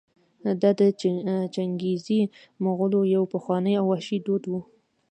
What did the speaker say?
دا د چنګېزي مغولو یو پخوانی او وحشي دود و.